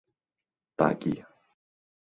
pagi